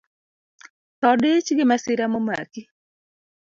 Thoo dich gi masira momaki